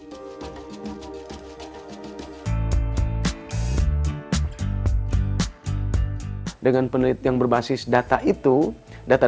salah satu dari sekian banyak permasalahan dalam upaya melestarikan dan mengembangkan permainan tradisional di indonesia